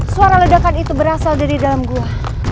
suara ledakan itu berasal dari dalam gua